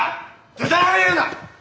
でたらめ言うな！